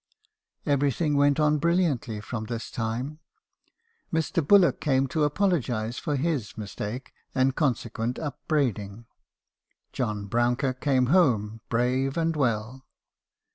u Everything went on brilliantly from this time. "Mr. Bullock called to apologise for his mistake, and con sequent upbraiding. John Brouncker came home, brave and well.